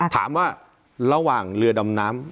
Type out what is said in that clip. ถามว่าระหว่างเรือดำน้ำ